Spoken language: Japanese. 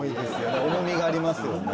重みがありますよね。